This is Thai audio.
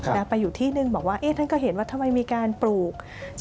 แต่ไปอยู่ที่หนึ่งบอกว่าท่านก็เห็นว่าทำไมมีการปลูก